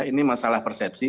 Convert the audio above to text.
ini masalah persepsi